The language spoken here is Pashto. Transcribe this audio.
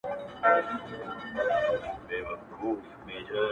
د منصوري قسمت مي څو کاڼي لا نور پاته دي،